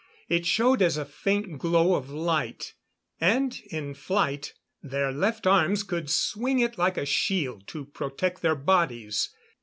It showed as a faint glow of light; and in flight their left arms could swing it like a shield to protect their bodies.